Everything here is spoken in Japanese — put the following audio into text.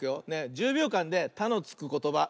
１０びょうかんで「た」のつくことばいくよ。